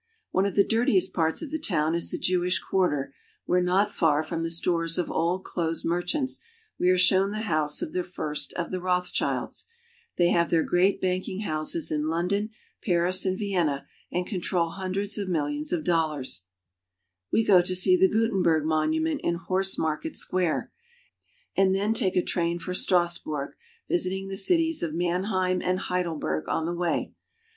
zafi GERMANY. One of the dirtiest parts of the town is the Jewish quar ter, where, not far from the stores of old clothes merchants, we are shown the house of the first of the Rothschilds, who are now one of the richest families of the world. They have their great banking houses in London, Paris, and Vienna, and control hundreds of millions of dollars. Heidelberg Castle. We go to see the Gutenberg monument in Horse Mar ket Square, and then take a train for Strassburg, visiting the cities of Mannheim and Heidelberg on the way.